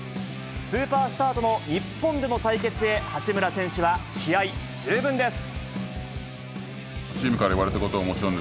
スーパースターとの日本での対決へ、八村選手は気合い十分です。